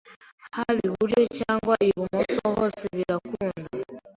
haba iburyo cyangwa ibumoso hose birakunda